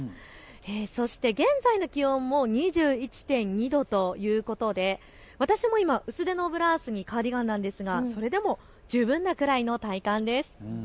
そして現在の気温も２１．２度ということで私も今、薄手のブラウスにカーディガンなんですがそれでも十分なくらいの体感です。